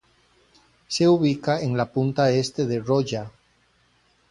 Se ubica en la punta este de Rolla.